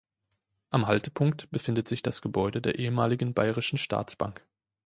Am Haltepunkt befindet sich das Gebäude der ehemaligen Bayerischen Staatsbank.